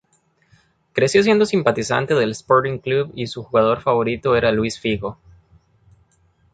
Creció siendo simpatizante del Sporting Clube y su jugador favorito era Luis Figo.